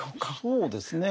そうですね。